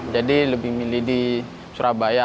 jadi lebih milih di surabaya